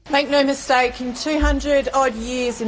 jangan lupa dalam dua ratus tahun di negara ini